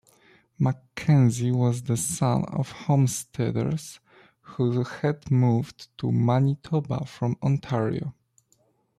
McKenzie was the son of homesteaders who had moved to Manitoba from Ontario.